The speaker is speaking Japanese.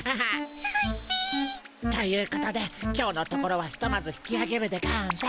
すごいっピ。ということで今日のところはひとまず引きあげるでゴンス。